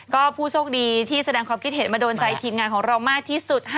ก็ผู้โชคดีที่แสดงความคิดเห็นมาโดนใจทีมงานของเรามากที่สุด